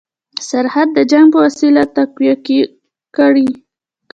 سرحد د جنګ په وسیله تقویه کړي.